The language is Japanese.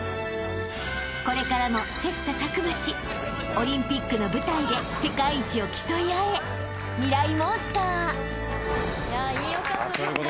［これからも切磋琢磨しオリンピックの舞台で世界一を競い合え］ということで駿